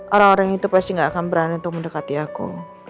orang orang itu pasti gak akan berani untuk mendekati aku